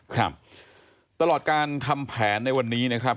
ครับตลอดการทำแผนในวันนี้นะครับ